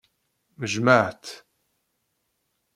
Jjmeɣ-tt.